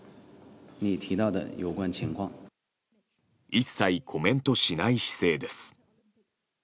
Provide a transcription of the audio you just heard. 一切コメントしない姿勢です。